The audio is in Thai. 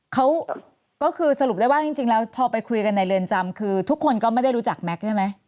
เขาก็คือสรุปได้ว่าจริงแล้วพอไปคุยกันในเรือนจำคือทุกคนก็ไม่ได้รู้จักแก๊กใช่ไหม